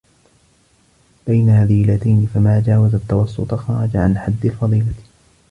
بَيْنَ رَذِيلَتَيْنِ فَمَا جَاوَزَ التَّوَسُّطَ خَرَجَ عَنْ حَدِّ الْفَضِيلَةِ